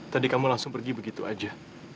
tadi kamu langsung pergi begitu aja